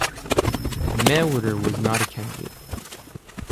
Mewhirter was not a candidate.